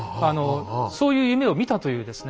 そういう夢を見たというですね